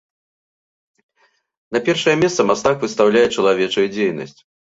На першае месца мастак выстаўляе чалавечую дзейнасць.